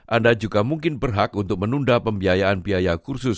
anda juga mungkin berhak untuk menunda pembiayaan biaya kursus